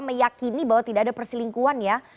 meyakini bahwa tidak ada perselingkuhan ya